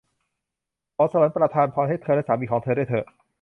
ขอสวรรค์ประทานพรให้เธอและสามีของเธอด้วยเถอะ !